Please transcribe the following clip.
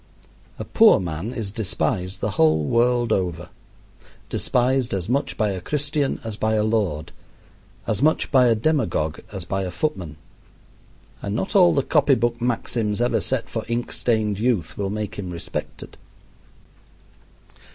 A poor man is despised the whole world over; despised as much by a Christian as by a lord, as much by a demagogue as by a footman, and not all the copy book maxims ever set for ink stained youth will make him respected.